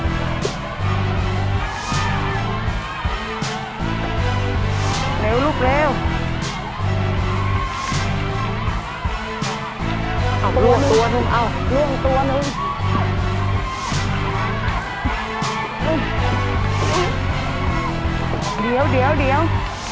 เดี๋ยวเดี๋ยวเดี๋ยว